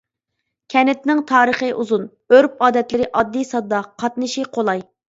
كەنتنىڭ تارىخى ئۇزۇن، ئۆرپ-ئادەتلىرى ئاددىي-ساددا، قاتنىشى قولاي.